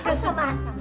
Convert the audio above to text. aku suka makan